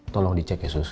tolong dicek ya sus